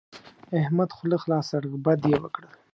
احمد خوله خلاصه کړه؛ بد يې وکړل.